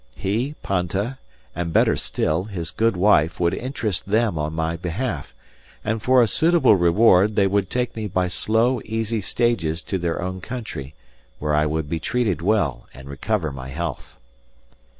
He, Panta, and, better still, his good wife would interest them on my behalf, and for a suitable reward they would take me by slow, easy stages to their own country, where I would be treated well and recover my health.